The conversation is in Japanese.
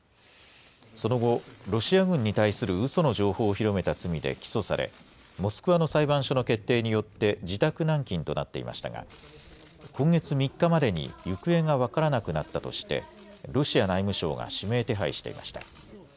その後、ロシア軍に対するうその情報を広めた罪で起訴され、モスクワの裁判所の決定によって自宅軟禁となっていましたが、今月３日までに行方が分からなくなったとして、ロシア内務省が指名手配していました。